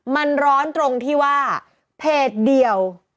มันร้อนตรงที่ว่าเพจเดียว